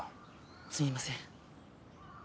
すいません。